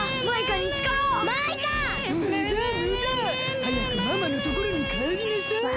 はやくママのところにかえりなさい。